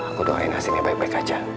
aku doain hasilnya baik baik aja